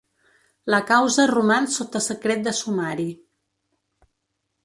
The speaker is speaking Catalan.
La causa roman sota secret de sumari.